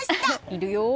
いるよ！